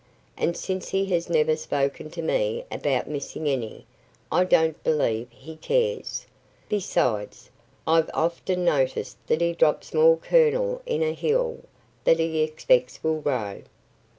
And since he has never spoken to me about missing any, I don't believe he cares. Besides, I've often noticed that he drops more kernels in a hill than he expects will grow.